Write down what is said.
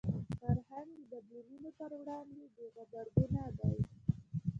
فرهنګ د بدلونونو پر وړاندې بې غبرګونه دی